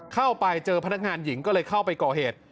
เข้าไปเจอพนักงานหญิงก็เลยเข้าไปก่อเหตุ